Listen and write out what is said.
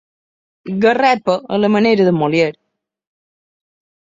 Garrepa a la manera de Molière.